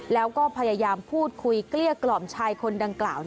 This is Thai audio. แล้วก็พยายามพูดคุยเกลี้ยกล่อมชายคนดังกล่าว